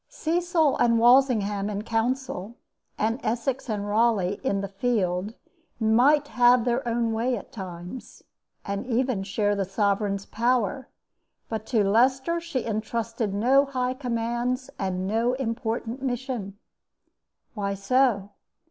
Cecil and Walsingham in counsel and Essex and Raleigh in the field might have their own way at times, and even share the sovereign's power, but to Leicester she intrusted no high commands and no important mission. Why so?